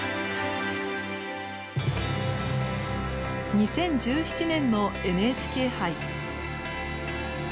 ２０１７年のＮＨＫ杯。